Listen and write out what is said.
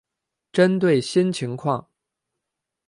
针对新情况